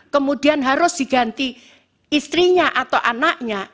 kemudian harus diganti istrinya atau anaknya